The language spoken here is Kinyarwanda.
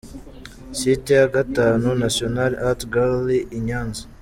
Site ya gatanu: National Art Gallery i Nyanza.